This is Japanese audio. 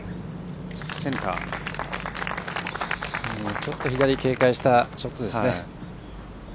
ちょっと左を警戒したショットですね。